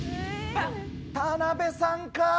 田辺さんか？